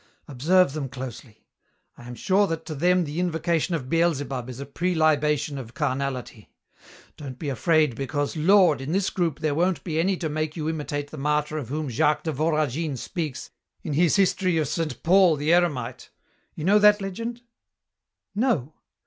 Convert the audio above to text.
Observe them closely. I am sure that to them the invocation of Beelzebub is a prelibation of carnality. Don't be afraid, because, Lord! in this group there won't be any to make you imitate the martyr of whom Jacques de Voragine speaks in his history of Saint Paul the Eremite. You know that legend?" "No."